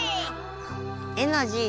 エナジー？